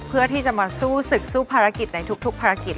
เพื่อที่จะมาสู้สึกสู้ปรากฏในทุกปฏกิจ